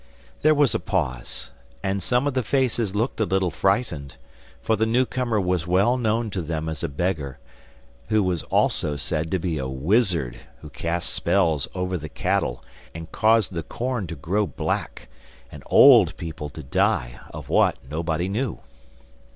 There was a pause, and some of the faces looked a little frightened; for the new comer was well known to them as a beggar, who was also said to be a wizard who cast spells over the cattle, and caused the corn to grow black, and old people to die, of what, nobody knew.